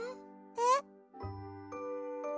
えっ？